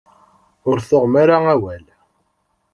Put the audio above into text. Ur tuɣem ara awal.